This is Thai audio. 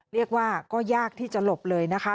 เรียกว่าก็ยากที่จะหลบเลยนะคะ